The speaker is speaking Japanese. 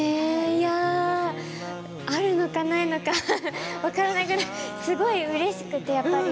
いやあるのかないのか分からないくらいすごいうれしくて、やっぱり。